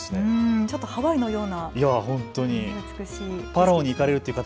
ちょっとハワイのような。